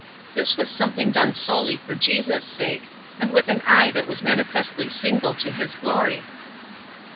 This was something done solely for Jesus' sake, and with an eye that was manifestly single to His glory.